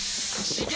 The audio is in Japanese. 刺激！